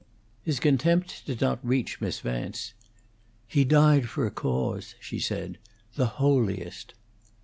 His contempt did not reach Miss Vance. "He died for a cause," she said. "The holiest."